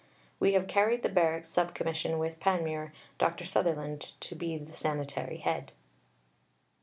We have carried the Barracks Sub Commission with Panmure, Dr. Sutherland to be the Sanitary Head.